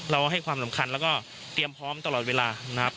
เราให้ความสำคัญแล้วก็เตรียมพร้อมตลอดเวลานะครับ